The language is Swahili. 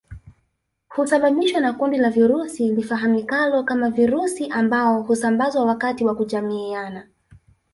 Husababishwa na kundi la virusi lifahamikalo kama virusi ambao husambazwa wakati wa kujamiiana